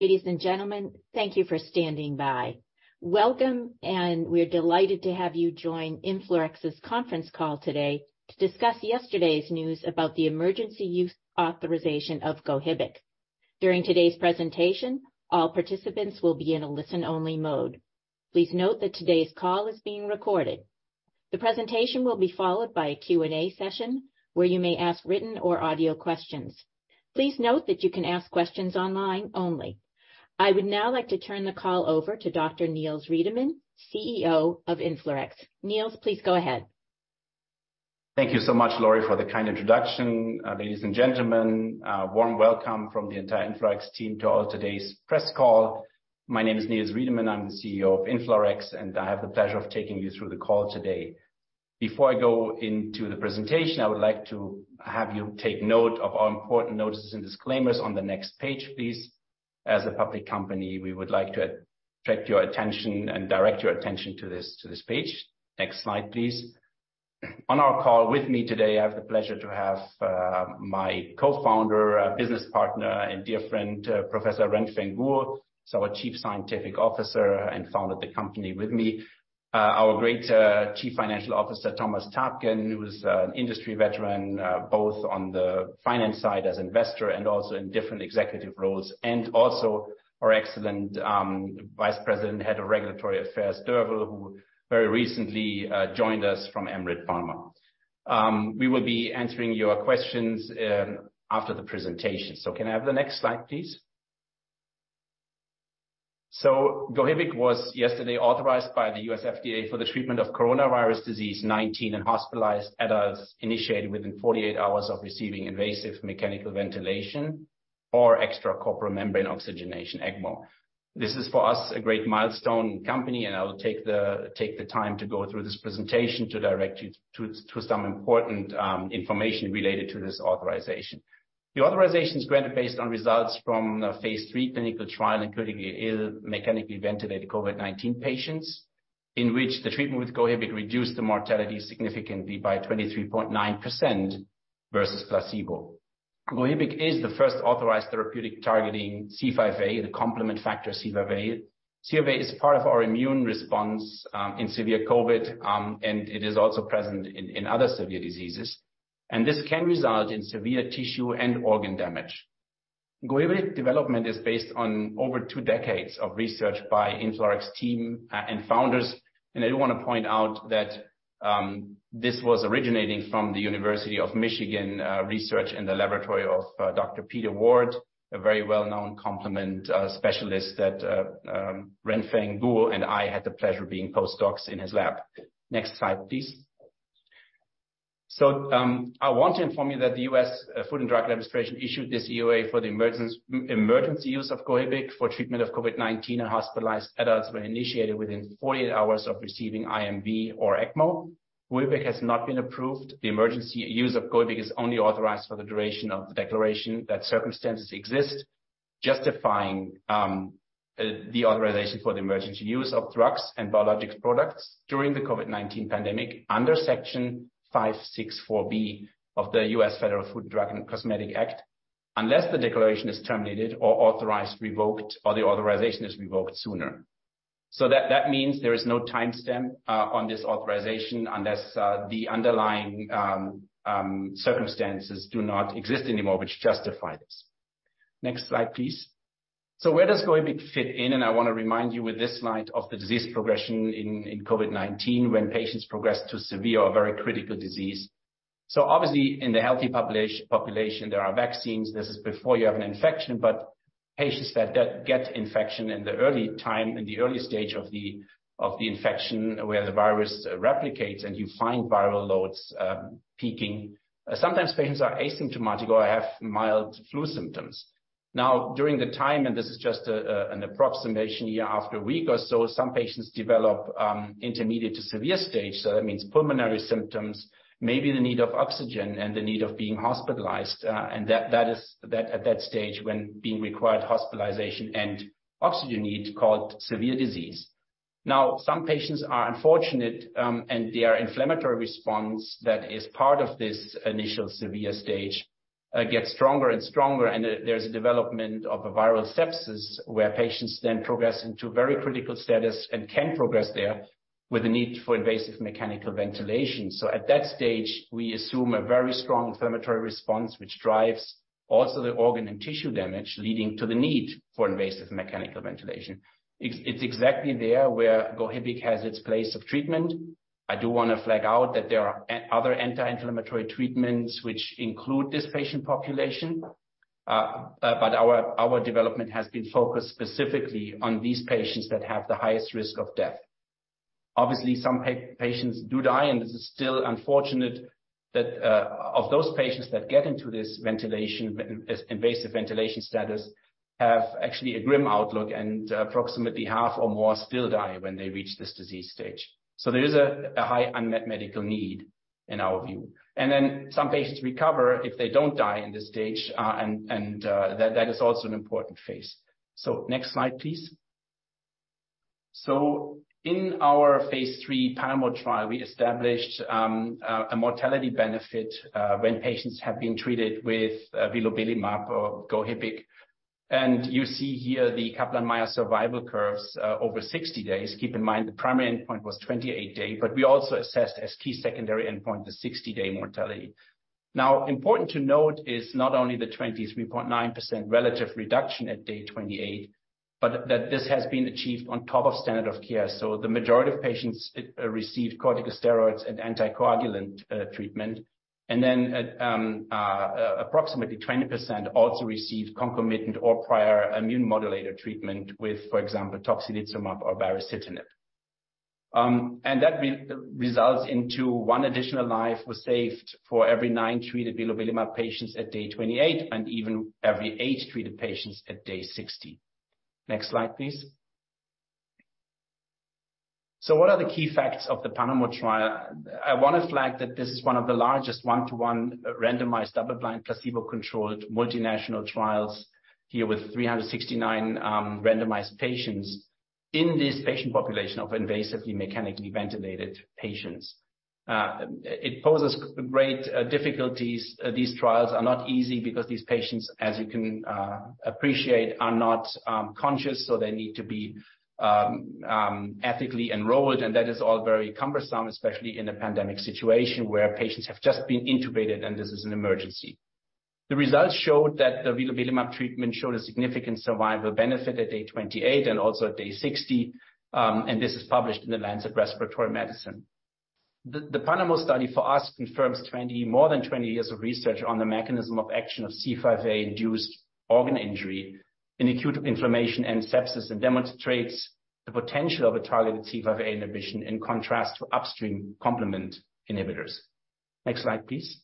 Ladies and gentlemen, thank you for standing by. Welcome, we're delighted to have you join InflaRx's conference call today to discuss yesterday's news about the emergency use authorization of GOHIBIC. During today's presentation, all participants will be in a listen-only mode. Please note that today's call is being recorded. The presentation will be followed by a Q&A session where you may ask written or audio questions. Please note that you can ask questions online only. I would now like to turn the call over to Dr. Niels Riedemann, CEO of InflaRx. Niels, please go ahead. Thank you so much, Lori, for the kind introduction. Ladies and gentlemen, a warm welcome from the entire InflaRx team to all today's press call. My name is Niels Riedemann, I'm the CEO of InflaRx, and I have the pleasure of taking you through the call today. Before I go into the presentation, I would like to have you take note of our important notices and disclaimers on the next page, please. As a public company, we would like to attract your attention and direct your attention to this page. Next slide, please. On our call with me today, I have the pleasure to have my co-founder, business partner and dear friend, Professor Renfeng Guo. He's our Chief Scientific Officer and founded the company with me. Our great Chief Financial Officer, Thomas Taapken, who is an industry veteran, both on the finance side as investor and also in different executive roles. And also our excellent Vice President, Head of Regulatory Affairs, Derval, who very recently joined us from Amryt Pharma. We will be answering your questions after the presentation. Can I have the next slide, please? GOHIBIC was yesterday authorized by the U.S. FDA for the treatment of coronavirus disease nineteen in hospitalized adults initiated within 48 hours of receiving invasive mechanical ventilation or extracorporeal membrane oxygenation, ECMO. This is for us, a great milestone in the company, and I will take the time to go through this presentation to direct you to some important information related to this authorization. The authorization is granted based on results from a phase III clinical trial, including ill mechanically ventilated COVID-19 patients, in which the treatment with GOHIBIC reduced the mortality significantly by 23.9% versus placebo. GOHIBIC is the first authorized therapeutic targeting C5a, the complement factor C5a. C5a is part of our immune response, in severe COVID, and it is also present in other severe diseases, this can result in severe tissue and organ damage. GOHIBIC development is based on over two decades of research by InflaRx team and founders. I do wanna point out that this was originating from the University of Michigan research in the laboratory of Dr. Peter Ward, a very well-known complement specialist that Renfeng Guo and I had the pleasure of being postdocs in his lab. Next slide, please. I want to inform you that the U.S. Food and Drug Administration issued this EUA for the emergency use of GOHIBIC for treatment of COVID-19 in hospitalized adults when initiated within 48 hours of receiving IMV or ECMO. GOHIBIC has not been approved. The emergency use of GOHIBIC is only authorized for the duration of the declaration that circumstances exist justifying the authorization for the emergency use of drugs and biologics products during the COVID-19 pandemic under Section 564B of the U.S. Federal Food, Drug, and Cosmetic Act, unless the declaration is terminated or authorized revoked, or the authorization is revoked sooner. That means there is no timestamp on this authorization unless the underlying circumstances do not exist anymore which justify this. Next slide, please. Where does GOHIBIC fit in? I wanna remind you with this slide of the disease progression in COVID-19 when patients progress to severe or very critical disease. Obviously, in the healthy population, there are vaccines. This is before you have an infection, but patients that get infection in the early time, in the early stage of the infection where the virus replicates and you find viral loads peaking. Sometimes patients are asymptomatic or have mild flu symptoms. During the time, and this is just an approximation, after a week or so, some patients develop intermediate to severe stage. That means pulmonary symptoms, maybe the need of oxygen and the need of being hospitalized. That is. At that stage when being required hospitalization and oxygen need called severe disease. Some patients are unfortunate, and their inflammatory response that is part of this initial severe stage gets stronger and stronger, and there's a development of a viral sepsis where patients then progress into very critical status and can progress there with the need for invasive mechanical ventilation. At that stage, we assume a very strong inflammatory response, which drives also the organ and tissue damage, leading to the need for invasive mechanical ventilation. It's exactly there where GOHIBIC has its place of treatment. I do wanna flag out that there are another anti-inflammatory treatments which include this patient population, but our development has been focused specifically on these patients that have the highest risk of death. Obviously, some patients do die. This is still unfortunate that of those patients that get into this ventilation, invasive ventilation status, have actually a grim outlook, and approximately half or more still die when they reach this disease stage. There is a high unmet medical need in our view. Some patients recover if they don't die in this stage, and that is also an important phase. Next slide, please. In our phase III PANAMO trial, we established a mortality benefit when patients have been treated with vilobelimab or GOHIBIC. You see here the Kaplan-Meier survival curves over 60 days. Keep in mind the primary endpoint was 28-day, we also assessed as key secondary endpoint, the 60-day mortality. Important to note is not only the 23.9% relative reduction at day 28, but that this has been achieved on top of standard of care. The majority of patients received corticosteroids and anticoagulant treatment. Then at approximately 20% also received concomitant or prior immune modulator treatment with, for example, tocilizumab or baricitinib. That results into 1 additional life was saved for every nine treated vilobelimab patients at day 28 and even every eight treated patients at day 60. Next slide, please. What are the key facts of the PANAMO trial? I want to flag that this is one of the largest 1-to-1 randomized double-blind, placebo-controlled multinational trials here with 369 randomized patients in this patient population of invasively mechanically ventilated patients. It poses great difficulties. These trials are not easy because these patients, as you can appreciate, are not conscious, so they need to be ethically enrolled, and that is all very cumbersome, especially in a pandemic situation where patients have just been intubated and this is an emergency. The results showed that the vilobelimab treatment showed a significant survival benefit at day 28 and also at day 60, and this is published in The Lancet Respiratory Medicine. The PANAMO study for us confirms more than 20 years of research on the mechanism of action of C5a-induced organ injury in acute inflammation and sepsis, and demonstrates the potential of a targeted C5a inhibition in contrast to upstream complement inhibitors. Next slide, please.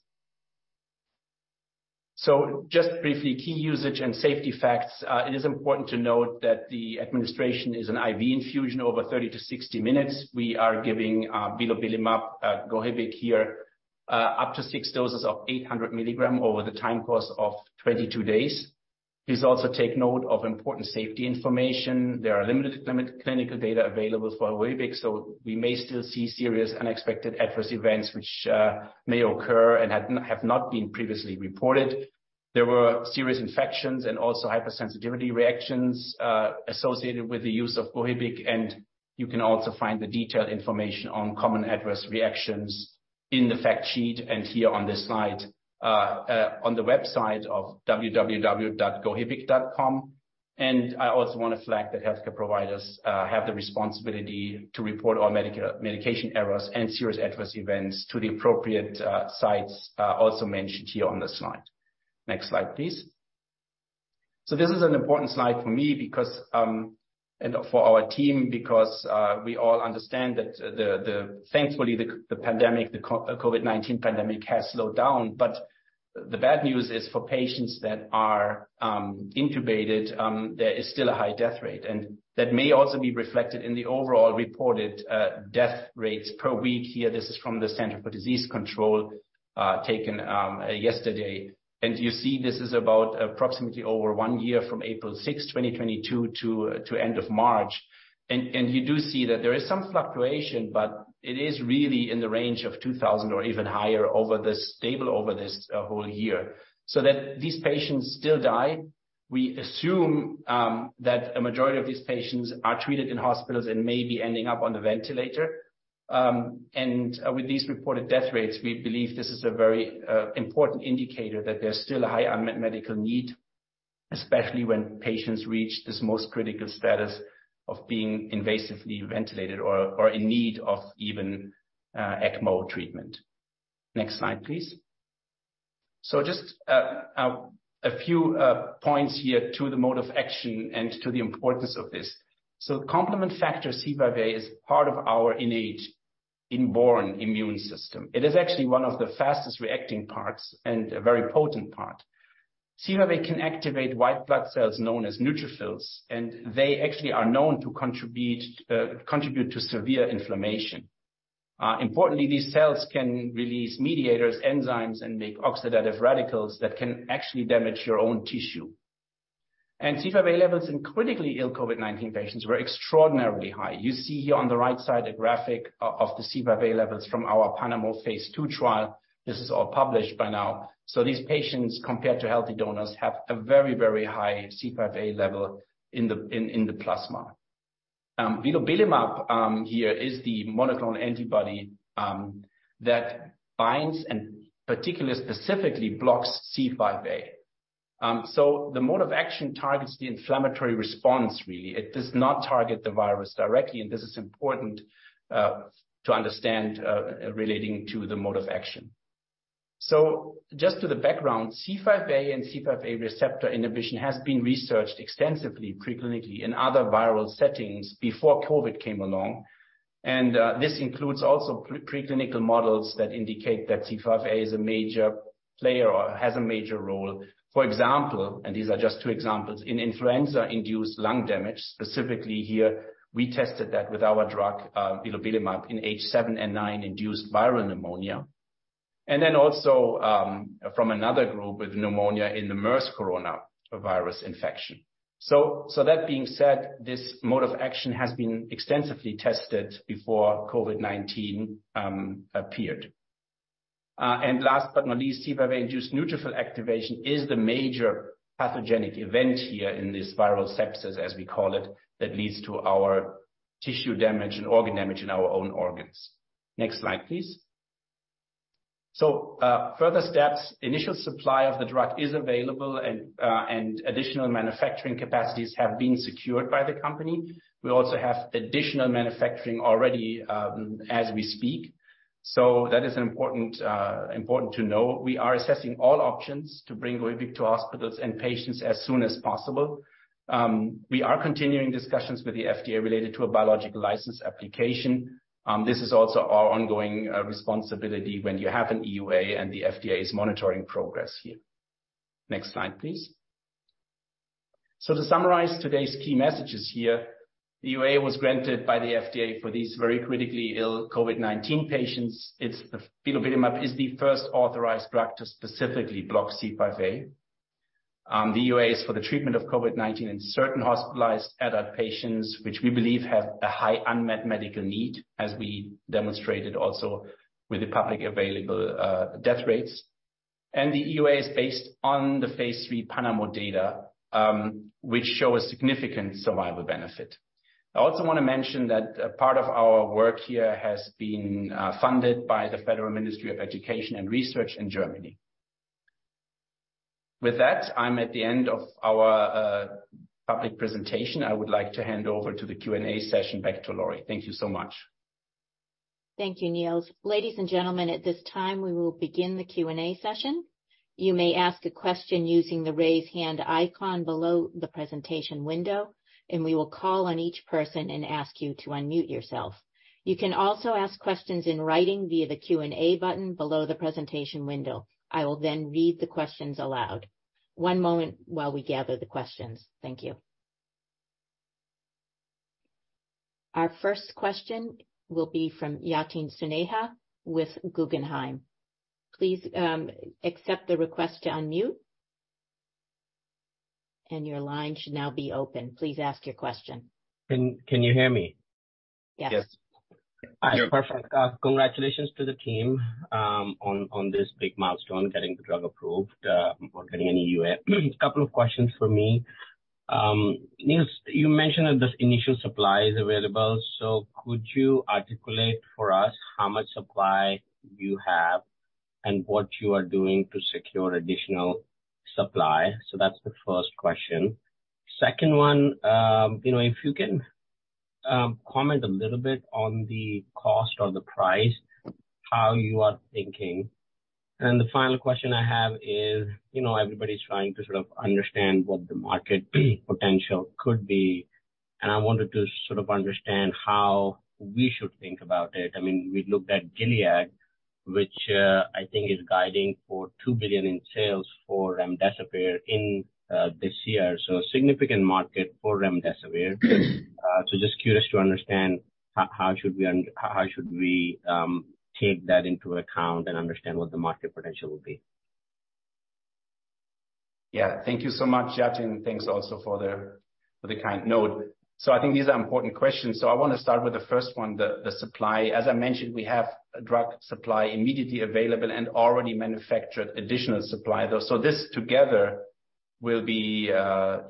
Just briefly, key usage and safety facts. It is important to note that the administration is an IV infusion over 30 to 60 minutes. We are giving, vilobelimab, GOHIBIC here, up to 6 doses of 800mg over the time course of 22 days. Please also take note of important safety information. There are limited clinical data available for GOHIBIC, so we may still see serious unexpected adverse events which, may occur and have not been previously reported. There were serious infections and also hypersensitivity reactions, associated with the use of GOHIBIC, and you can also find the detailed information on common adverse reactions in the fact sheet and here on this slide, on the website of www.gohibic.com. I also want to flag that healthcare providers, have the responsibility to report all medication errors and serious adverse events to the appropriate, sites, also mentioned here on the slide. Next slide, please. This is an important slide for me because, and for our team because, we all understand that the, thankfully the pandemic, the COVID-19 pandemic has slowed down. The bad news is for patients that are intubated, there is still a high death rate, and that may also be reflected in the overall reported death rates per week. Here, this is from the Center for Disease Control, taken yesterday. You see this is about approximately over 1 year from April 6th, 2022 to end of March. You do see that there is some fluctuation, but it is really in the range of 2,000 or even higher over this stable over this whole year, so that these patients still die. We assume that a majority of these patients are treated in hospitals and may be ending up on the ventilator. With these reported death rates, we believe this is a very important indicator that there's still a high unmet medical need, especially when patients reach this most critical status of being invasively ventilated or in need of even ECMO treatment. Next slide, please. Just a few points here to the mode of action and to the importance of this. Complement factor C5a is part of our innate inborn immune system. It is actually one of the fastest reacting parts and a very potent part. C5a can activate white blood cells known as neutrophils, and they actually are known to contribute to severe inflammation. Importantly, these cells can release mediators, enzymes, and make oxidative radicals that can actually damage your own tissue. C5a levels in critically ill COVID-19 patients were extraordinarily high. You see here on the right side, a graphic of the C5a levels from our PANAMO phase II trial. This is all published by now. These patients, compared to healthy donors, have a very, very high C5a level in the plasma. Vilobelimab, here is the monoclonal antibody that binds and particularly specifically blocks C5a. The mode of action targets the inflammatory response, really. It does not target the virus directly, and this is important to understand relating to the mode of action. Just to the background, C5a and C5a receptor inhibition has been researched extensively pre-clinically in other viral settings before COVID came along. This includes also pre-clinical models that indicate that C5a is a major player or has a major role. For example, these are just two examples, in influenza-induced lung damage, specifically here, we tested that with our drug, vilobelimab in H7N9-induced viral pneumonia. Also, from another group with pneumonia in the MERS coronavirus infection. That being said, this mode of action has been extensively tested before COVID-19 appeared. Last but not least, C5a-induced neutrophil activation is the major pathogenic event here in this viral sepsis, as we call it, that leads to our tissue damage and organ damage in our own organs. Next slide, please. Further steps. Initial supply of the drug is available and additional manufacturing capacities have been secured by the company. We also have additional manufacturing already as we speak. That is important to know. We are assessing all options to bring GOHIBIC to hospitals and patients as soon as possible. We are continuing discussions with the FDA related to a Biologics License Application. This is also our ongoing responsibility when you have an EUA and the FDA is monitoring progress here. Next slide, please. To summarize today's key messages here, EUA was granted by the FDA for these very critically ill COVID-19 patients. Filgotinib is the first authorized drug to specifically block C5a. The EUA is for the treatment of COVID-19 in certain hospitalized adult patients which we believe have a high unmet medical need, as we demonstrated also with the public available death rates. The EUA is based on the phase III PANAMO data, which show a significant survival benefit. I also want to mention that a part of our work here has been funded by the Federal Ministry of Education and Research in Germany. With that, I'm at the end of our public presentation. I would like to hand over to the Q&A session back to Laurie. Thank you so much. Thank you, Niels. Ladies and gentlemen, at this time we will begin the Q&A session. You may ask a question using the raise hand icon below the presentation window, and we will call on each person and ask you to unmute yourself. You can also ask questions in writing via the Q&A button below the presentation window. I will then read the questions aloud. One moment while we gather the questions. Thank you. Our first question will be from Yatin Suneja with Guggenheim. Please accept the request to unmute. Your line should now be open. Please ask your question. Can you hear me? Yes. Yes. All right. Perfect. Congratulations to the team on this big milestone, getting the drug approved or getting an EUA. Couple of questions for me. Niels, you mentioned that this initial supply is available, could you articulate for us how much supply you have and what you are doing to secure additional supply? That's the first question. Second one, you know, if you can comment a little bit on the cost or the price, how you are thinking. The final question I have is, you know, everybody's trying to sort of understand what the market potential could be, and I wanted to sort of understand how we should think about it. I mean, we looked at Gilead, which I think is guiding for $2 billion in sales for remdesivir this year, so a significant market for remdesivir. Just curious to understand how should we take that into account and understand what the market potential will be? Thank you so much, Yatin. Thanks also for the kind note. I think these are important questions. I wanna start with the first one, the supply. As I mentioned, we have a drug supply immediately available and already manufactured additional supply, though. This together will be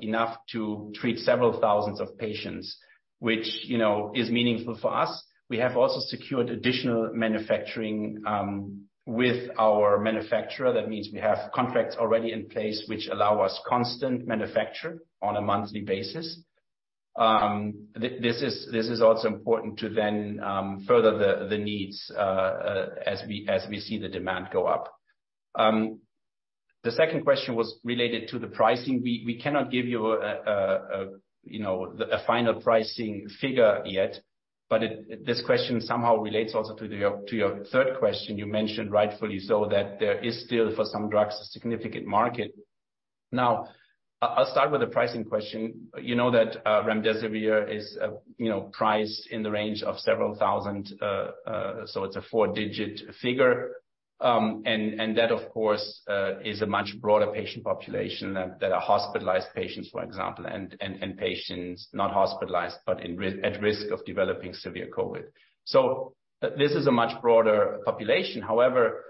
enough to treat several thousands of patients, which, you know, is meaningful for us. We have also secured additional manufacturing with our manufacturer. That means we have contracts already in place which allow us constant manufacture on a monthly basis. This is also important to then further the needs as we see the demand go up. The second question was related to the pricing. We cannot give you a, you know, a final pricing figure yet. This question somehow relates also to your third question. You mentioned rightfully so that there is still for some drugs a significant market. I'll start with the pricing question. You know that remdesivir is, you know, priced in the range of several thousand. It's a four-digit figure. That of course, is a much broader patient population that are hospitalized patients, for example, and patients not hospitalized, but at risk of developing severe COVID. This is a much broader population. However,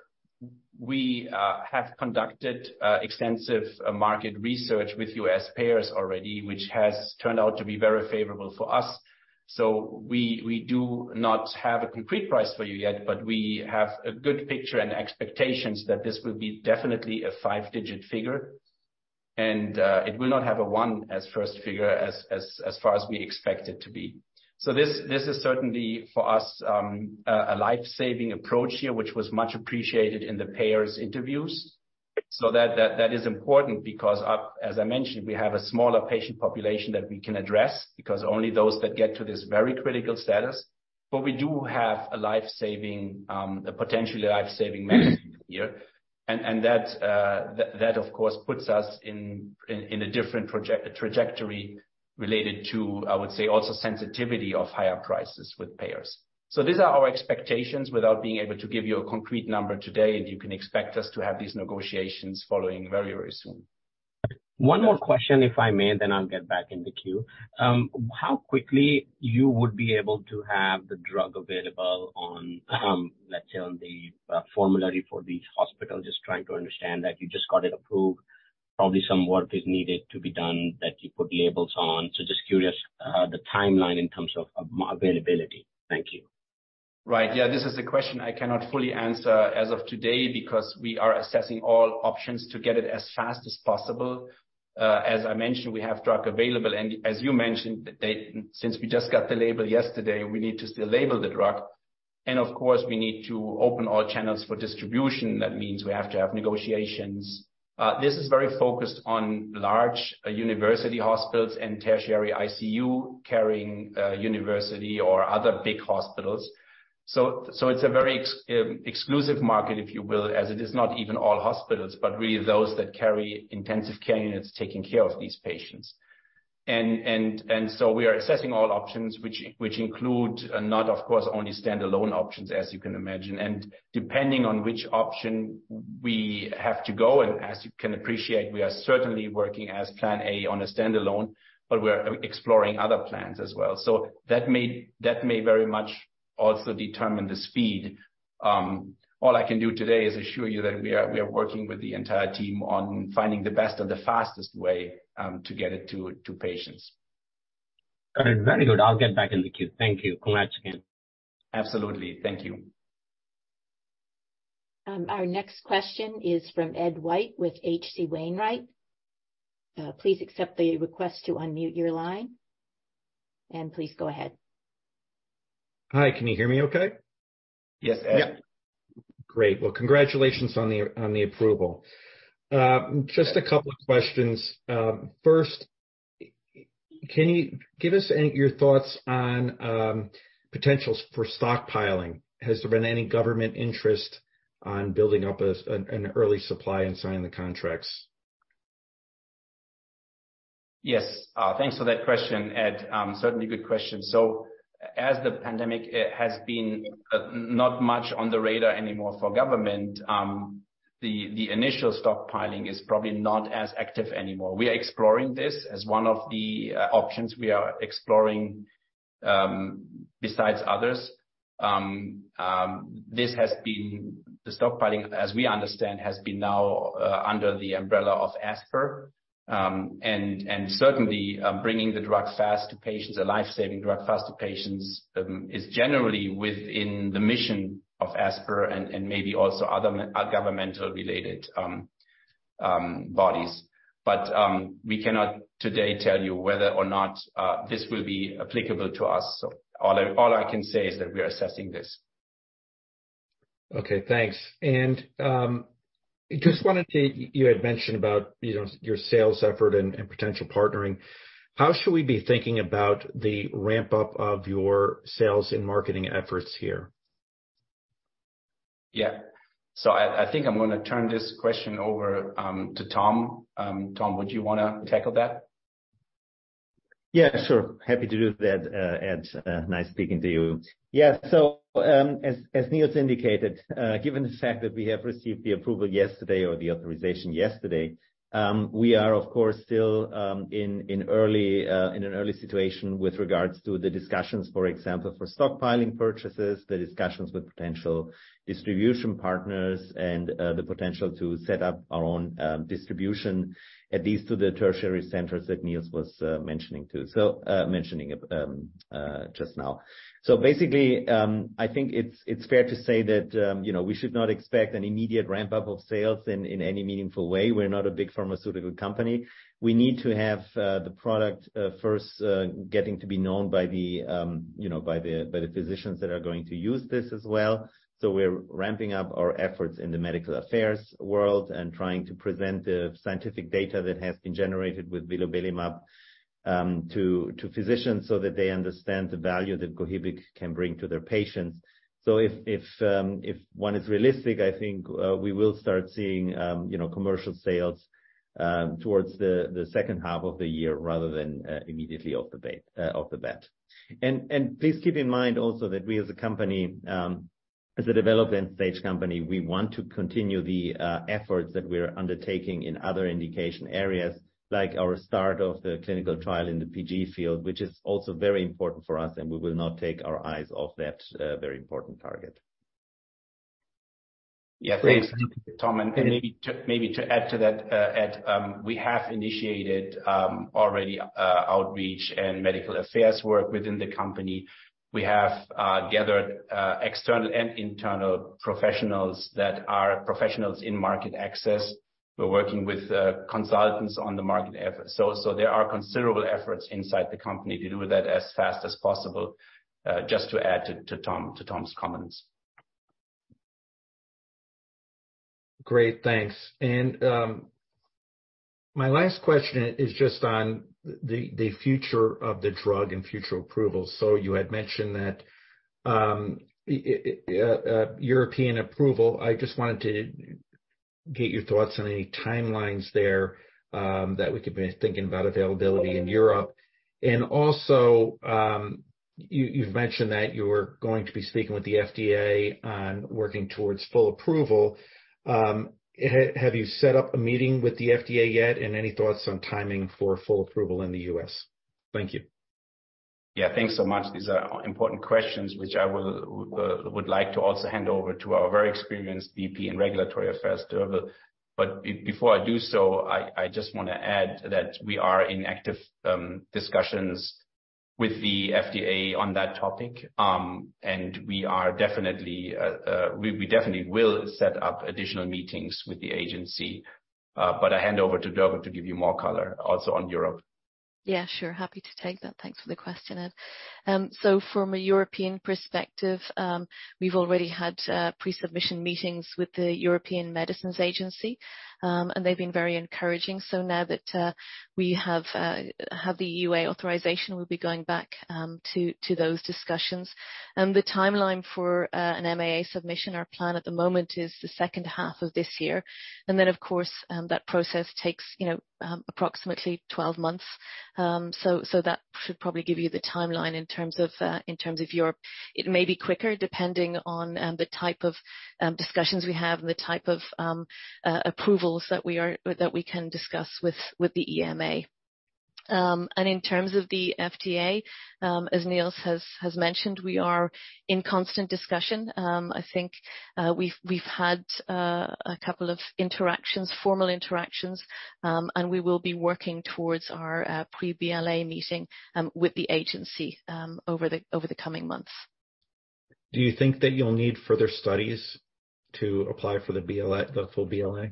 we have conducted extensive market research with U.S. payers already, which has turned out to be very favorable for us. We do not have a complete price for you yet, but we have a good picture and expectations that this will be definitely a 5-digit figure, and it will not have a one as first figure as far as we expect it to be. This is certainly for us a life-saving approach here, which was much appreciated in the payers' interviews. That is important because as I mentioned, we have a smaller patient population that we can address, because only those that get to this very critical status. We do have a life-saving, a potentially life-saving medicine here. That of course puts us in a different trajectory, related to, I would say, also sensitivity of higher prices with payers. These are our expectations without being able to give you a concrete number today, and you can expect us to have these negotiations following very, very soon. One more question, if I may, and then I'll get back in the queue. How quickly you would be able to have the drug available on, let's say, on the formulary for these hospitals? Just trying to understand that. You just got it approved. Probably some work is needed to be done that you put labels on. Just curious, the timeline in terms of availability. Thank you. Right. Yeah, this is a question I cannot fully answer as of today because we are assessing all options to get it as fast as possible. As I mentioned, we have drug available, and as you mentioned, Since we just got the label yesterday, we need to still label the drug. Of course, we need to open all channels for distribution. That means we have to have negotiations. This is very focused on large university hospitals and tertiary ICU-carrying, university or other big hospitals. So it's a very exclusive market, if you will, as it is not even all hospitals, but really those that carry intensive care units taking care of these patients. So we are assessing all options which include not, of course, only stand alone options, as you can imagine. Depending on which option we have to go, and as you can appreciate, we are certainly working as plan A on a stand-alone, but we're exploring other plans as well. That may very much also determine the speed. All I can do today is assure you that we are working with the entire team on finding the best or the fastest way to get it to patients. All right. Very good. I'll get back in the queue. Thank you. Congrats again. Absolutely. Thank you. Our next question is from Ed White with H.C. Wainwright. Please accept the request to unmute your line, please go ahead. Hi, can you hear me okay? Yes. Yeah. Great. Well, congratulations on the approval. Just a couple of questions. First, can you give us any of your thoughts on potentials for stockpiling? Has there been any government interest on building up an early supply and signing the contracts? Yes. Thanks for that question, Ed. Certainly good question. As the pandemic has been not much on the radar anymore for government, the initial stockpiling is probably not as active anymore. We are exploring this as one of the options we are exploring besides others. This has been the stockpiling, as we understand, has been now under the umbrella of ASPR. And certainly, bringing the drug fast to patients, a life-saving drug fast to patients, is generally within the mission of ASPR and maybe also other governmental related bodies. But we cannot today tell you whether or not this will be applicable to us. All I can say is that we are assessing this. Okay, thanks. You had mentioned about, you know, your sales effort and potential partnering. How should we be thinking about the ramp-up of your sales and marketing efforts here? Yeah. I think I'm gonna turn this question over to Tom. Tom, would you wanna tackle that? Sure. Happy to do that, Ed. Nice speaking to you. As Niels indicated, given the fact that we have received the approval yesterday or the authorization yesterday, we are of course, still in an early situation with regards to the discussions, for example, for stockpiling purchases, the discussions with potential distribution partners, and the potential to set up our own distribution, at least to the tertiary centers that Niels was mentioning to. Mentioning just now. Basically, I think it's fair to say that, you know, we should not expect an immediate ramp-up of sales in any meaningful way. We're not a big pharmaceutical company. We need to have the product first getting to be known by the, you know, by the, by the physicians that are going to use this as well. We're ramping up our efforts in the medical affairs world and trying to present the scientific data that has been generated with vilobelimab to physicians so that they understand the value that GOHIBIC can bring to their patients. If one is realistic, I think we will start seeing, you know, commercial sales towards the second half of the year rather than immediately off the bat. Please keep in mind also that we as a company, as a development stage company, we want to continue the efforts that we're undertaking in other indication areas, like our start of the clinical trial in the PG field, which is also very important for us, and we will not take our eyes off that very important target. Yeah, thanks, Tom. Maybe to add to that, Ed, we have initiated already outreach and medical affairs work within the company. We have gathered external and internal professionals that are professionals in market access. We're working with consultants on the market effort. There are considerable efforts inside the company to do that as fast as possible, just to add to Tom's comments. Great. Thanks. My last question is just on the future of the drug and future approvals. You had mentioned that, European approval. Get your thoughts on any timelines there, that we could be thinking about availability in Europe. Also, you've mentioned that you're going to be speaking with the FDA on working towards full approval. Have you set up a meeting with the FDA yet? Any thoughts on timing for full approval in the U.S.? Thank you. Yeah, thanks so much. These are important questions which I will would like to also hand over to our very experienced VP in regulatory affairs, Derval. Before I do so, I just wanna add that we are in active discussions with the FDA on that topic. We definitely will set up additional meetings with the agency. I hand over to Derval to give you more color also on Europe. Yeah, sure. Happy to take that. Thanks for the question, Ed. From a European perspective, we've already had pre-submission meetings with the European Medicines Agency, and they've been very encouraging. Now that we have the EUA authorization, we'll be going back to those discussions. The timeline for an MAA submission, our plan at the moment is the second half of this year. Then of course, that process takes, you know, approximately 12 months. That should probably give you the timeline in terms of in terms of Europe. It may be quicker depending on the type of discussions we have and the type of approvals that we can discuss with the EMA. In terms of the FDA, as Niels has mentioned, we are in constant discussion. I think we've had a couple of interactions, formal interactions, and we will be working towards our pre-BLA meeting with the agency over the coming months. Do you think that you'll need further studies to apply for the BLA, the full BLA?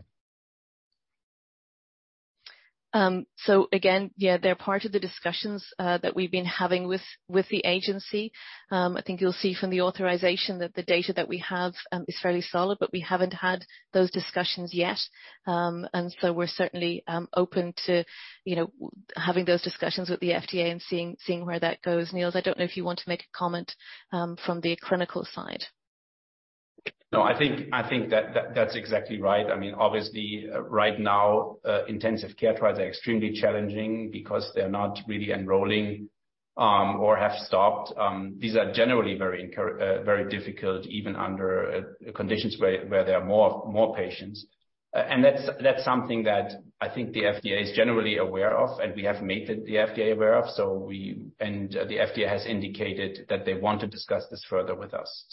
Again, yeah, they're part of the discussions that we've been having with the agency. I think you'll see from the authorization that the data that we have is fairly solid, but we haven't had those discussions yet. We're certainly open to, you know, having those discussions with the FDA and seeing where that goes. Niels, I don't know if you want to make a comment from the clinical side. I think that's exactly right. I mean, obviously right now, intensive care trials are extremely challenging because they're not really enrolling, or have stopped. These are generally very difficult even under conditions where there are more patients. That's, that's something that I think the FDA is generally aware of, and we have made the FDA aware of. The FDA has indicated that they want to discuss this further with us.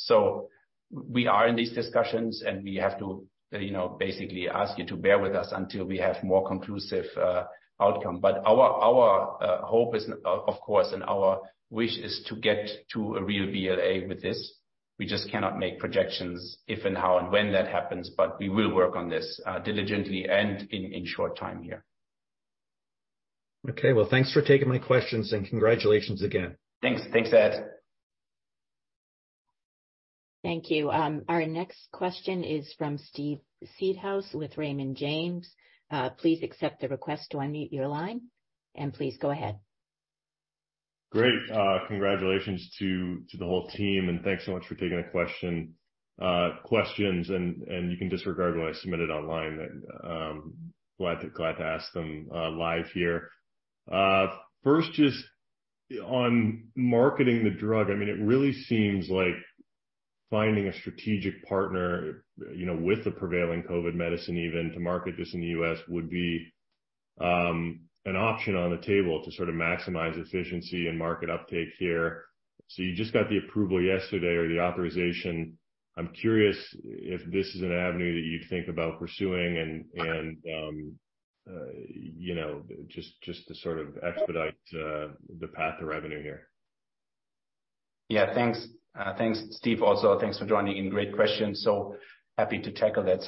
We are in these discussions, and we have to, you know, basically ask you to bear with us until we have more conclusive outcome. Our hope is of course, and our wish is to get to a real BLA with this. We just cannot make projections if and how and when that happens. We will work on this, diligently and in short time here. Okay. Well, thanks for taking my questions. Congratulations again. Thanks. Thanks, Ed. Thank you. Our next question is from Steve Seedhouse with Raymond James. Please accept the request to unmute your line, and please go ahead. Great. Congratulations to the whole team, and thanks so much for taking a question, questions. You can disregard what I submitted online. Glad to ask them live here. First, just on marketing the drug, I mean, it really seems like finding a strategic partner, you know, with the prevailing COVID medicine even to market this in the U.S. would be an option on the table to sort of maximize efficiency and market uptake here. You just got the approval yesterday or the authorization. I'm curious if this is an avenue that you think about pursuing and, you know, just to sort of expedite the path to revenue here. Yeah, thanks. Thanks, Steve. Thanks for joining in. Great question. Happy to tackle that.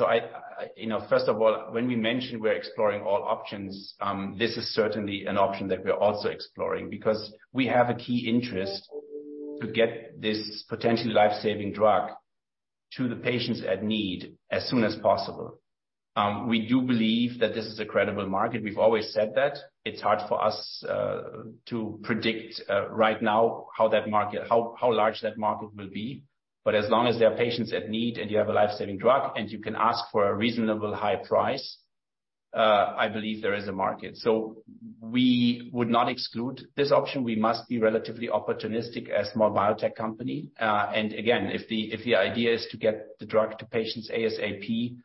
First of all, you know, when we mentioned we're exploring all options, this is certainly an option that we are also exploring because we have a key interest to get this potentially life-saving drug to the patients at need as soon as possible. We do believe that this is a credible market. We've always said that. It's hard for us to predict right now how large that market will be. As long as there are patients at need and you have a life-saving drug and you can ask for a reasonable high price, I believe there is a market. We would not exclude this option. We must be relatively opportunistic as small biotech company. Again, if the idea is to get the drug to patients ASAP,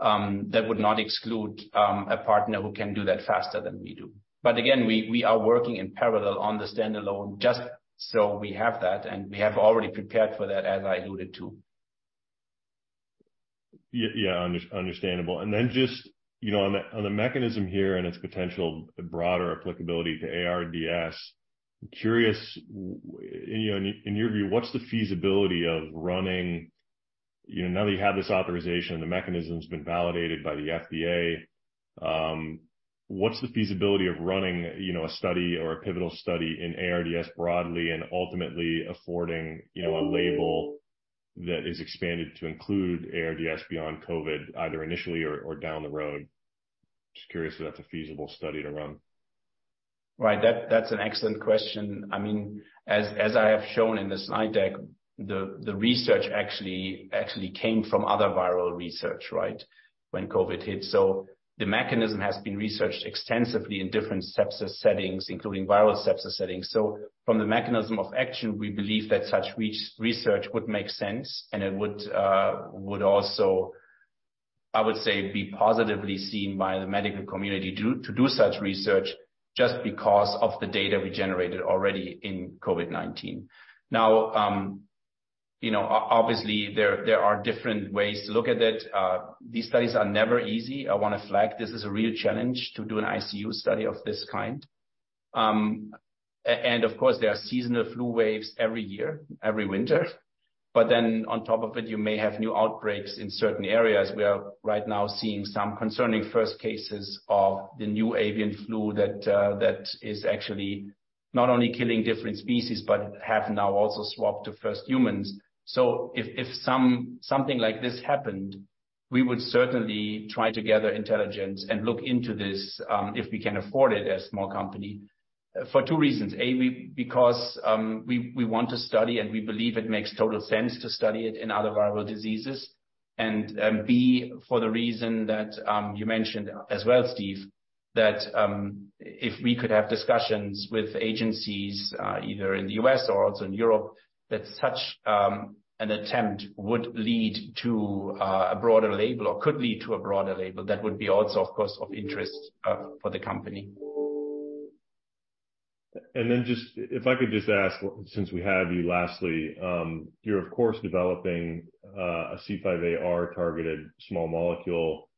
that would not exclude a partner who can do that faster than we do. Again, we are working in parallel on the standalone just so we have that, and we have already prepared for that, as I alluded to. Yeah, understandable. Just, you know, on the mechanism here and its potential broader applicability to ARDS, I'm curious, you know, in your view, what's the feasibility of running, you know, now that you have this authorization, the mechanism's been validated by the FDA, what's the feasibility of running, you know, a study or a pivotal study in ARDS broadly and ultimately affording, you know, a label that is expanded to include ARDS beyond COVID, either initially or down the road? Just curious if that's a feasible study to run. Right. That's an excellent question. I mean, as I have shown in the slide deck, the research actually came from other viral research, right, when COVID hit. The mechanism has been researched extensively in different sepsis settings, including viral sepsis settings. From the mechanism of action, we believe that such research would make sense, and it would also, I would say, be positively seen by the medical community to do such research just because of the data we generated already in COVID-19. Now, you know, obviously, there are different ways to look at it. These studies are never easy. I wanna flag this is a real challenge to do an ICU study of this kind. Of course, there are seasonal flu waves every year, every winter. On top of it, you may have new outbreaks in certain areas. We are right now seeing some concerning first cases of the new avian flu that is actually not only killing different species, but have now also swapped to first humans. If something like this happened, we would certainly try to gather intelligence and look into this, if we can afford it as a small company, for two reasons. A, we, because, we want to study and we believe it makes total sense to study it in other viral diseases. B, for the reason that you mentioned as well, Steve, that if we could have discussions with agencies, either in the US or also in Europe, that such an attempt would lead to a broader label or could lead to a broader label, that would be also, of course, of interest for the company. Just if I could just ask, since we have you lastly, you're of course developing, a C5AR targeted small molecule,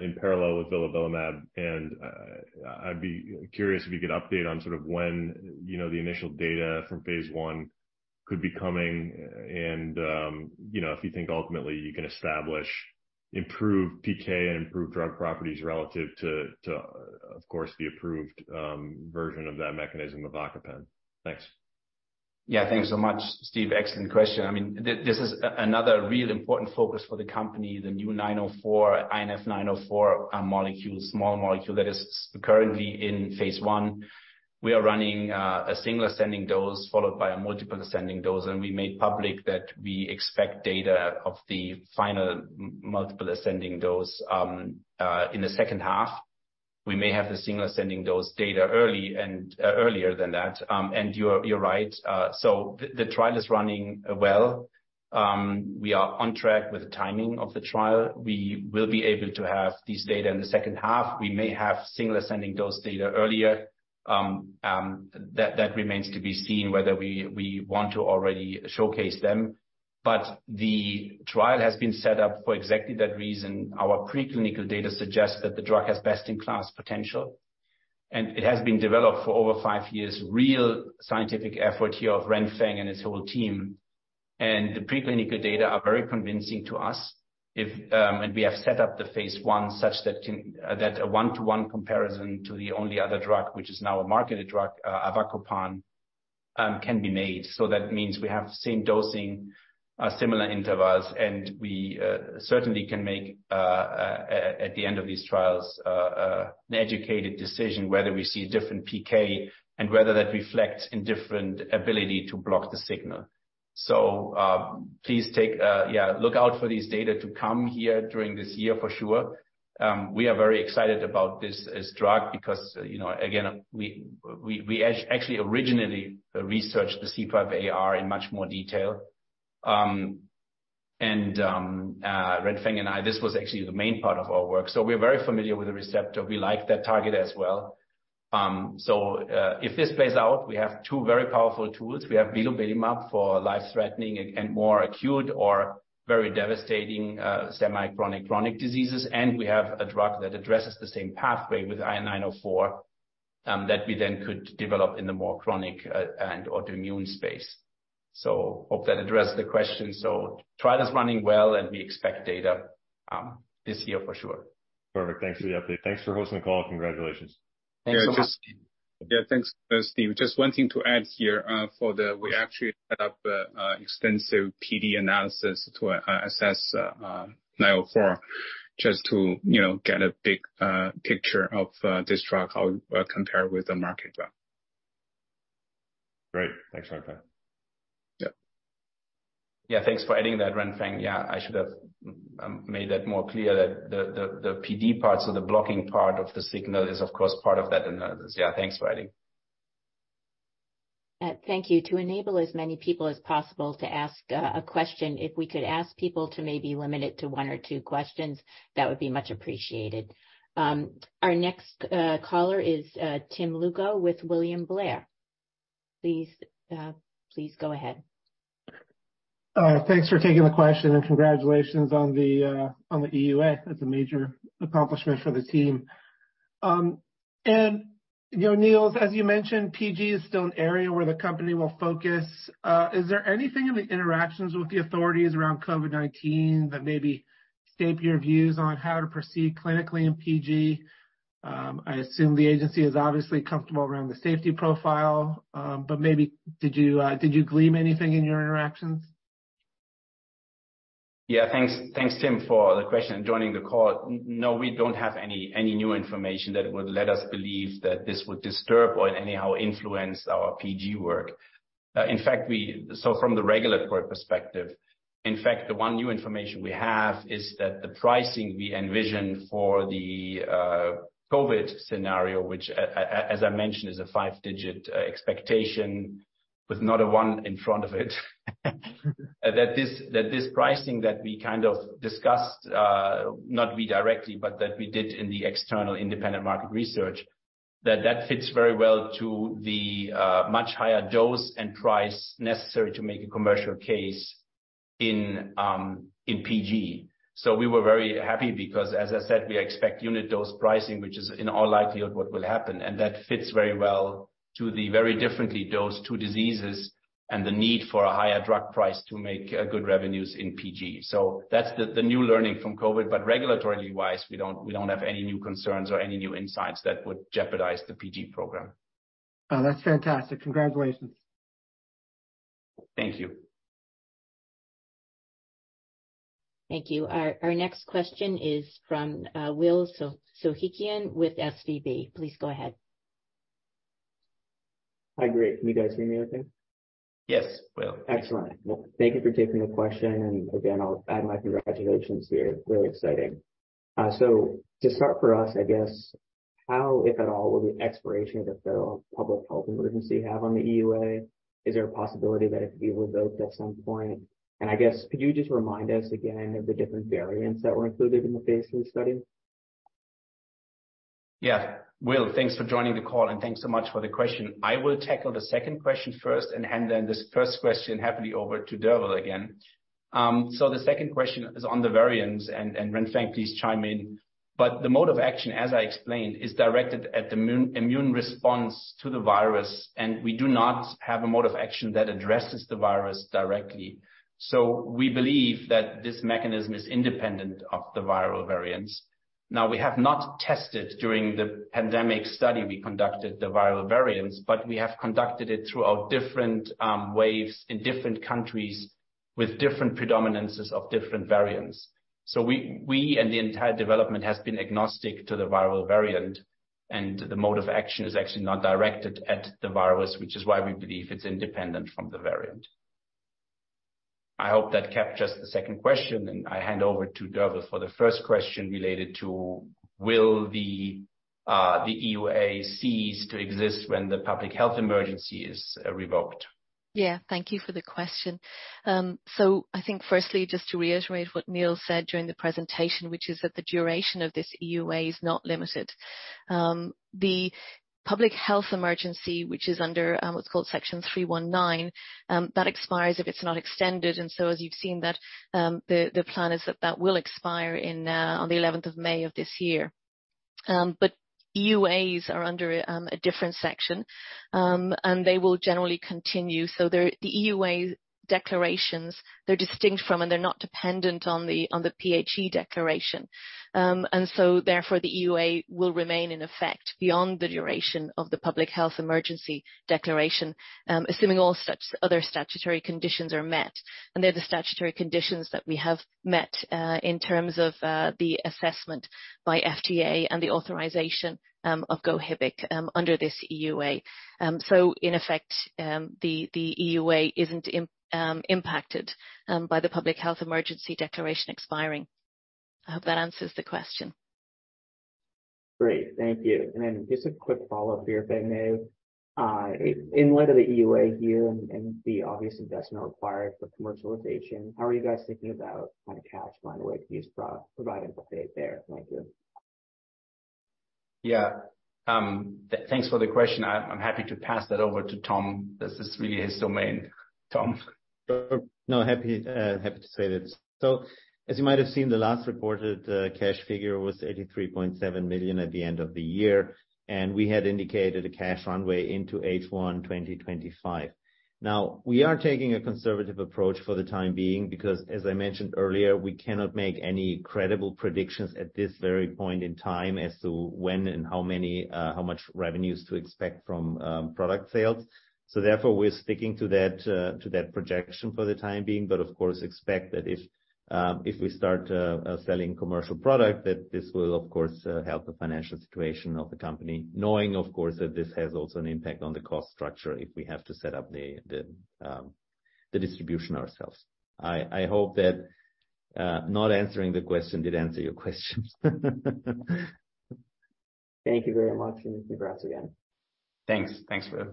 in parallel with vilobelimab, and I'd be curious if you could update on sort of when, you know, the initial data from phase I could be coming and, you know, if you think ultimately you can establish improved PK and improved drug properties relative to of course, the approved, version of that mechanism, the avacopan. Thanks. Yeah, thanks so much, Steve. Excellent question. I mean, this is another real important focus for the company, the new 904, INF904, molecule, small molecule that is currently in phase I. We are running a single ascending dose followed by a multiple ascending dose, and we made public that we expect data of the final multiple ascending dose in the second half. We may have the single ascending dose data early and earlier than that. You're right. The trial is running well. We are on track with the timing of the trial. We will be able to have these data in the second half. We may have single ascending dose data earlier. That remains to be seen whether we want to already showcase them. The trial has been set up for exactly that reason. Our preclinical data suggests that the drug has best in class potential, and it has been developed for over five years. Real scientific effort here of Renfeng and his whole team. The preclinical data are very convincing to us. If, we have set up the phase I such that a one-to-one comparison to the only other drug, which is now a marketed drug, avacopan, can be made. That means we have the same dosing, similar intervals, and we certainly can make at the end of these trials an educated decision whether we see a different PK and whether that reflects in different ability to block the signal. Please take, yeah, look out for these data to come here during this year for sure. We are very excited about this drug because, you know, again, we actually originally researched the C5AR in much more detail. And Renfeng and I, this was actually the main part of our work, so we're very familiar with the receptor. We like that target as well. If this plays out, we have two very powerful tools. We have vilobelimab for life-threatening and more acute or very devastating, semi chronic diseases. And we have a drug that addresses the same pathway with IN 904, that we then could develop in the more chronic and autoimmune space. Hope that addressed the question. Trial is running well, and we expect data, this year for sure. Perfect. Thanks for the update. Thanks for hosting the call. Congratulations. Thanks so much. Yeah, just. Yeah, thanks, Steve. Just one thing to add here, We actually set up extensive PD analysis to assess INF904 just to, you know, get a big picture of this drug, how it compare with the market well. Great. Thanks, Renfeng. Yeah. Yeah, thanks for adding that, Renfeng. Yeah, I should have made that more clear that the PD parts or the blocking part of the signal is, of course, part of that analysis. Yeah, thanks for adding. Thank you. To enable as many people as possible to ask a question, if we could ask people to maybe limit it to one or two questions, that would be much appreciated. Our next caller is Tim Lugo with William Blair. Please go ahead. Thanks for taking the question and congratulations on the EUA. That's a major accomplishment for the team. You know, Niels, as you mentioned, PG is still an area where the company will focus. Is there anything in the interactions with the authorities around COVID-19 that maybe shaped your views on how to proceed clinically in PG? I assume the agency is obviously comfortable around the safety profile, but maybe did you gleam anything in your interactions? Yeah. Thanks. Thanks, Tim, for the question, joining the call. No, we don't have any new information that would let us believe that this would disturb or anyhow influence our PG work. In fact, from the regulatory perspective, in fact, the one new information we have is that the pricing we envision for the COVID scenario. Which, as I mentioned, is a 5-digit expectation with not a 1 in front of it. That this pricing that we kind of discussed, not we directly, but that we did in the external independent market research, that fits very well to the much higher dose and price necessary to make a commercial case in PG. We were very happy because, as I said, we expect unit dose pricing, which is in all likelihood what will happen. That fits very well to the very differently dosed two diseases and the need for a higher drug price to make, good revenues in PG. That's the new learning from COVID. Regulatory-wise, we don't have any new concerns or any new insights that would jeopardize the PG program. Oh, that's fantastic. Congratulations. Thank you. Thank you. Our next question is from Will So-Sohikian with SVB. Please go ahead. Hi, Greg. Can you guys hear me okay? Yes, Will. Excellent. Well, thank you for taking the question. Again, I'll add my congratulations here. Very exciting. To start for us, I guess, how, if at all, will the expiration of the federal public health emergency have on the EUA? Is there a possibility that it could be revoked at some point? I guess could you just remind us again of the different variants that were included in the phase III study? Will, thanks for joining the call, and thanks so much for the question. I will tackle the second question first and hand then this first question happily over to Derval again. The second question is on the variants, and Renfeng, please chime in. The mode of action, as I explained, is directed at the immune response to the virus, and we do not have a mode of action that addresses the virus directly. We believe that this mechanism is independent of the viral variants. We have not tested during the pandemic study we conducted the viral variants, but we have conducted it throughout different waves in different countries with different pre-dominances of different variants. We and the entire development has been agnostic to the viral variant, and the mode of action is actually not directed at the virus, which is why we believe it's independent from the variant. I hope that captures the second question, I hand over to Derval for the first question related to will the EUA cease to exist when the public health emergency is revoked. Yeah. Thank you for the question. I think firstly, just to reiterate what Niels said during the presentation, which is that the duration of this EUA is not limited. The public health emergency, which is under, what's called Section 319, that expires if it's not extended. As you've seen that, the plan is that that will expire in on the 11th of May of this year. EUAs are under a different section, and they will generally continue. The EUA declarations, they're distinct from, and they're not dependent on the PHE declaration. Therefore, the EUA will remain in effect beyond the duration of the public health emergency declaration, assuming all such other statutory conditions are met. They're the statutory conditions that we have met, in terms of the assessment by FDA and the authorization of GOHIBIC under this EUA. In effect, the EUA isn't impacted by the public health emergency declaration expiring. I hope that answers the question. Great. Thank you. Then just a quick follow-up for you, if I may. In light of the EUA here and the obvious investment required for commercialization, how are you guys thinking about kind of cash runway use provided update there? Thank you. Yeah. Thanks for the question. I'm happy to pass that over to Tom, as it's really his domain. Tom. No, happy to say that. As you might have seen, the last reported cash figure was 83.7 million at the end of the year, and we had indicated a cash runway into H1 2025. We are taking a conservative approach for the time being, because as I mentioned earlier, we cannot make any credible predictions at this very point in time as to when and how many, how much revenues to expect from product sales. Therefore, we're sticking to that projection for the time being. Of course, expect that if we start selling commercial product, that this will of course help the financial situation of the company. Knowing of course, that this has also an impact on the cost structure if we have to set up the distribution ourselves. I hope that not answering the question did answer your question. Thank you very much, and congrats again. Thanks. Thanks, Will.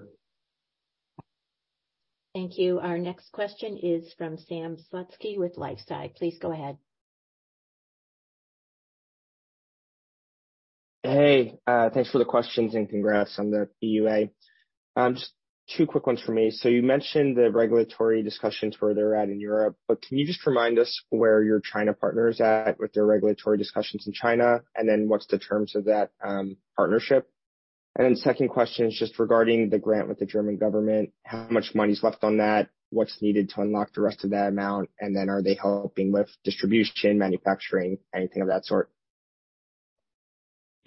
Thank you. Our next question is from Sam Slutsky with LifeSci Capital. Please go ahead. Hey, thanks for the questions, and congrats on the EUA. Just two quick ones from me. You mentioned the regulatory discussions, where they're at in Europe, but can you just remind us where your China partner is at with their regulatory discussions in China? What's the terms of that partnership? Second question is just regarding the grant with the German government. How much money's left on that? What's needed to unlock the rest of that amount? Are they helping with distribution, manufacturing, anything of that sort?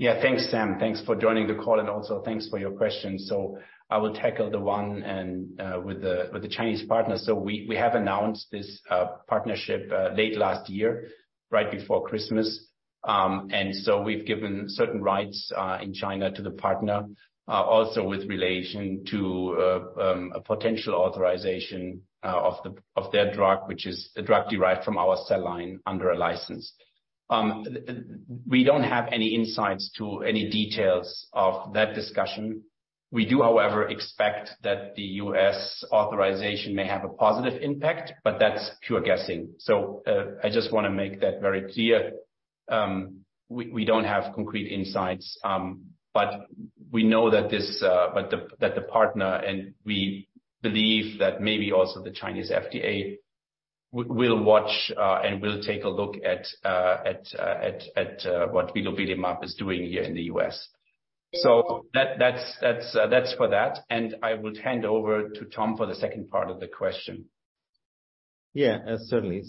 Thanks, Sam. Thanks for joining the call, and also thanks for your question. I will tackle the one and with the Chinese partner. We have announced this partnership late last year, right before Christmas. We've given certain rights in China to the partner, also with relation to a potential authorization of their drug, which is a drug derived from our cell line under a license. We don't have any insights to any details of that discussion. We do, however, expect that the U.S. authorization may have a positive impact, but that's pure guessing. I just wanna make that very clear. We don't have concrete insights, but we know that this, that the partner and we believe that maybe also the Chinese FDA will watch and will take a look at what vilobimab is doing here in the U.S. That's for that. I would hand over to Tom for the second part of the question. Yeah, certainly.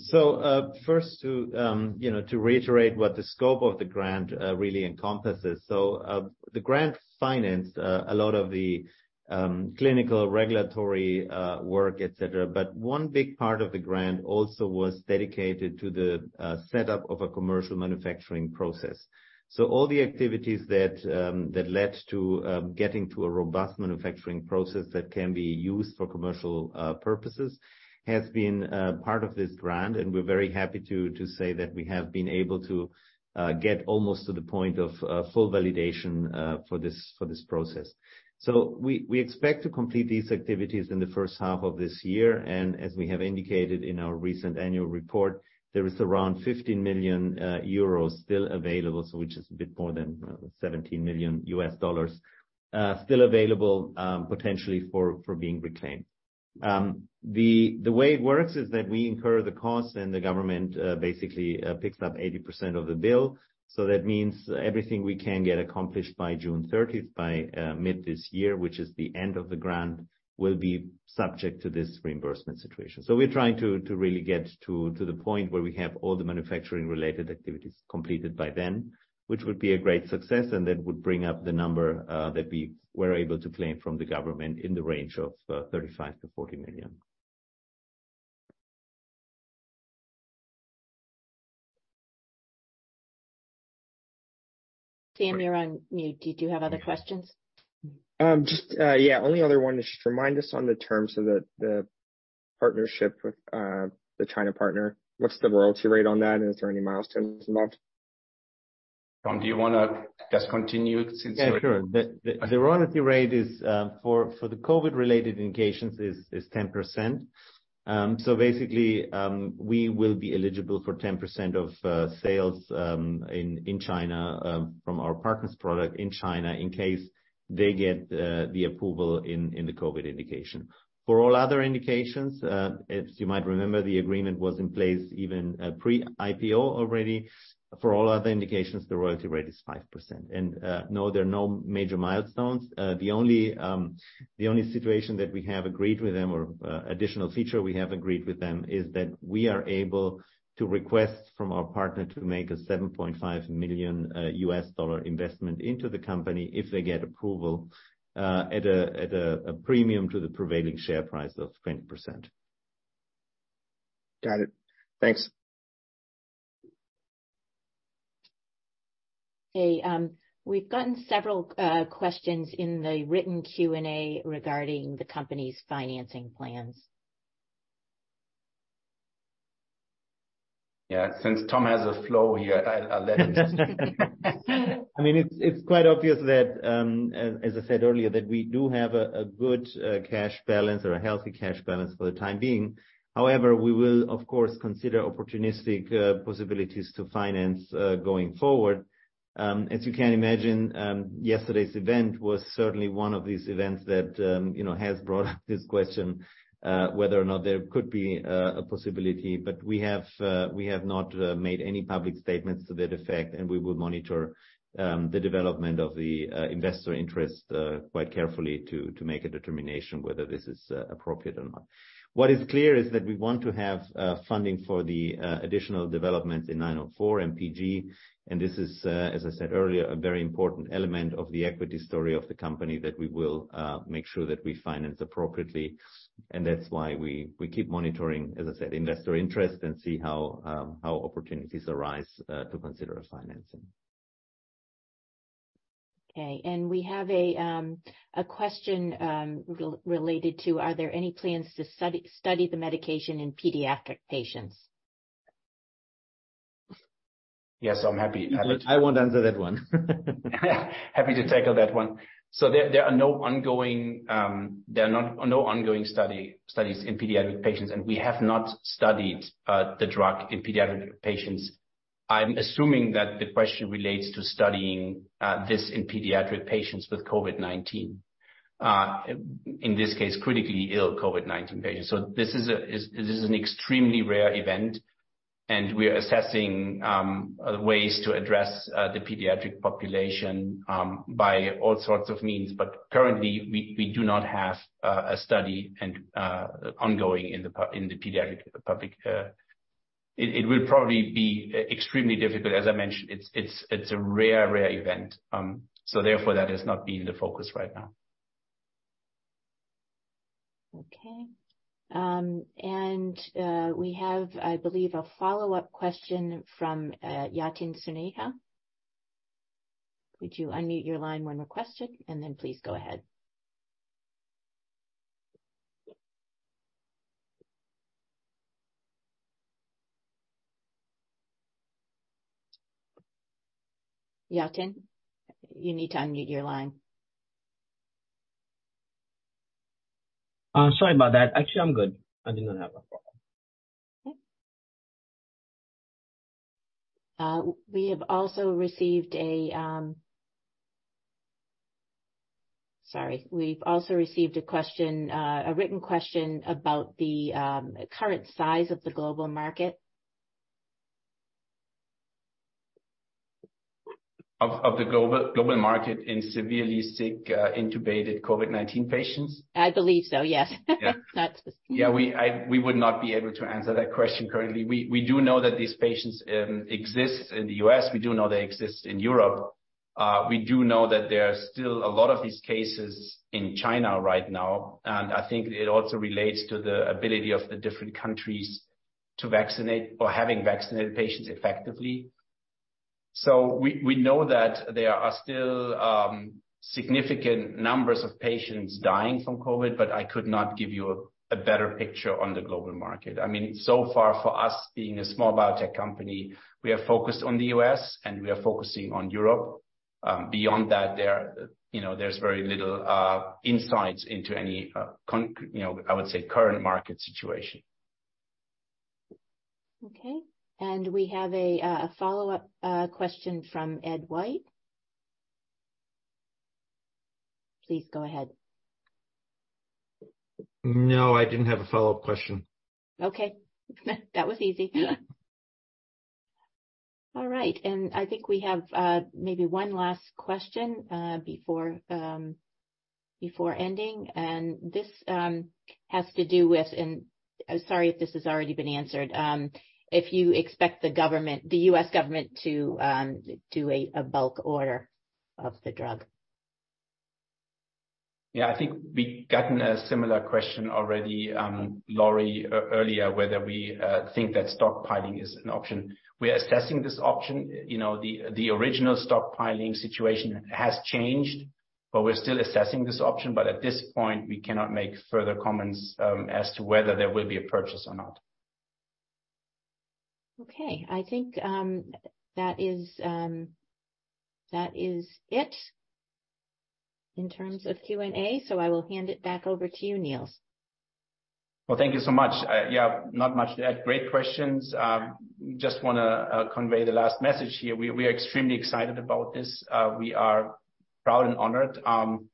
First to, you know, to reiterate what the scope of the grant really encompasses. The grant financed a lot of the clinical regulatory work, et cetera, but one big part of the grant also was dedicated to the setup of a commercial manufacturing process. All the activities that led to getting to a robust manufacturing process that can be used for commercial purposes has been part of this grant. We're very happy to say that we have been able to get almost to the point of full validation for this process. We expect to complete these activities in the first half of this year. As we have indicated in our recent annual report, there is around 15 million euros still available, which is a bit more than $17 million, still available potentially for being reclaimed. The way it works is that we incur the cost, and the government basically picks up 80% of the bill. That means everything we can get accomplished by June 30th, by mid this year, which is the end of the grant, will be subject to this reimbursement situation. We're trying to really get to the point where we have all the manufacturing related activities completed by then, which would be a great success, and that would bring up the number that we were able to claim from the government in the range of 35 million-40 million. Sam, you're on mute. Do you have other questions? Just only other one. Just remind us on the terms of the partnership with the China partner. What's the royalty rate on that? Is there any milestones involved? Tom, do you wanna just continue since you're- Yeah, sure. The royalty rate is for the COVID-related indications is 10%. Basically, we will be eligible for 10% of sales in China from our partner's product in China in case they get the approval in the COVID indication. For all other indications, as you might remember, the agreement was in place even pre-IPO already. For all other indications, the royalty rate is 5%. No, there are no major milestones. The only, the only situation that we have agreed with them or, additional feature we have agreed with them is that we are able to request from our partner to make a $7.5 million U.S. dollar investment into the company if they get approval, a premium to the prevailing share price of 20%. Got it. Thanks. We've gotten several questions in the written Q&A regarding the company's financing plans. Yeah. Since Tom has a flow here, I'll let him. I mean, it's quite obvious that, as I said earlier, that we do have a good cash balance or a healthy cash balance for the time being. However, we will of course, consider opportunistic possibilities to finance going forward. As you can imagine, yesterday's event was certainly one of these events that, you know, has brought up this question, whether or not there could be a possibility. We have, we have not made any public statements to that effect, and we will monitor the development of the investor interest quite carefully to make a determination whether this is appropriate or not. What is clear is that we want to have funding for the additional developments in 904 MPG. This is, as I said earlier, a very important element of the equity story of the company that we will make sure that we finance appropriately. That's why we keep monitoring, as I said, investor interest and see how opportunities arise to consider a financing. Okay. We have a question related to are there any plans to study the medication in pediatric patients? Yes, I'm happy. I won't answer that one. Happy to tackle that one. There are no ongoing, there are not, no ongoing studies in pediatric patients, and we have not studied the drug in pediatric patients. I'm assuming that the question relates to studying this in pediatric patients with COVID-19, in this case, critically ill COVID-19 patients. This is a, this is an extremely rare event, and we are assessing ways to address the pediatric population by all sorts of means. Currently, we do not have a study and ongoing in the pediatric public population. It will probably be extremely difficult. As I mentioned, it's a rare event. Therefore, that has not been the focus right now. Okay. We have, I believe, a follow-up question from Yatin Suneja. Could you unmute your line when requested and then please go ahead. Yatin, you need to unmute your line. Sorry about that. Actually, I'm good. I did not have a problem. We've also received a question, a written question about the current size of the global market. Of the global market in severely sick, intubated COVID-19 patients? I believe so, yes. Yeah. That's- Yeah, we would not be able to answer that question currently. We do know that these patients exist in the U.S. We do know they exist in Europe. We do know that there are still a lot of these cases in China right now, and I think it also relates to the ability of the different countries to vaccinate or having vaccinated patients effectively. We know that there are still significant numbers of patients dying from COVID, but I could not give you a better picture on the global market. I mean, so far for us being a small biotech company, we are focused on the U.S., and we are focusing on Europe. Beyond that, there, you know, there's very little insights into any, you know, I would say current market situation. Okay. We have a follow-up question from Ed White. Please go ahead. No, I didn't have a follow-up question. Okay. That was easy. All right. I think we have maybe one last question before ending. This has to do with, and sorry if this has already been answered, if you expect the government, the U.S. government to do a bulk order of the drug. Yeah. I think we've gotten a similar question already, Laurie, earlier, whether we think that stockpiling is an option. We are assessing this option. You know, the original stockpiling situation has changed, but we're still assessing this option. At this point, we cannot make further comments, as to whether there will be a purchase or not. Okay. I think, that is it in terms of Q&A. I will hand it back over to you, Nils. Well, thank you so much. Yeah, not much to add. Great questions. Just wanna convey the last message here. We are extremely excited about this. We are proud and honored.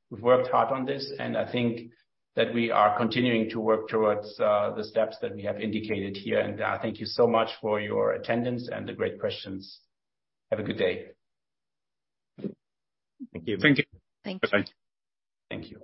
We've worked hard on this, and I think that we are continuing to work towards the steps that we have indicated here. Thank you so much for your attendance and the great questions. Have a good day. Thank you. Thank you. Thank you. Bye-bye. Thank you.